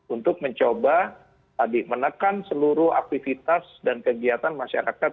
untuk mencoba menekan seluruh aktivitas dan kegiatan masyarakat